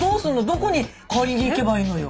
どこに借りに行けばいいのよ。